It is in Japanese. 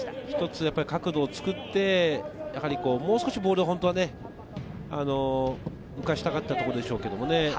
一つ角度を作って、もう少しボールを本当は浮かしたかったところでしょうけどね。